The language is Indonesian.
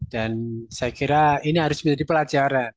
dan saya kira ini harus menjadi pelajaran